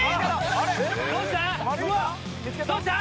どうした！？